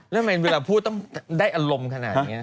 แล้วทำไมเวลาพูดต้องได้อารมณ์ขนาดนี้